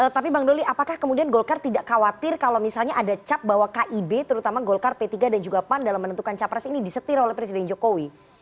tapi bang doli apakah kemudian golkar tidak khawatir kalau misalnya ada cap bahwa kib terutama golkar p tiga dan juga pan dalam menentukan capres ini disetir oleh presiden jokowi